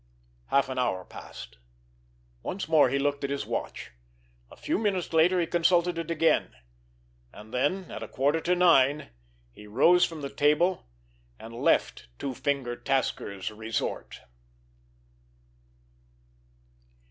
Half an hour passed. Once more he looked at his watch. A few minutes later he consulted it again. And then at a quarter to nine he rose from the table, and left Two finger Tasker's resort.